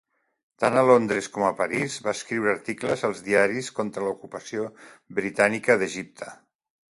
Tant a Londres com a París va escriure articles als diaris contra l'ocupació britànica d'Egipte.